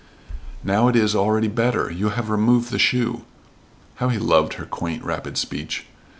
"Now it is already better, you have remove the shoe." How he loved her quaint, rapid speech!